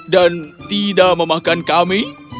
dan jika tidak kau bisa memakan kami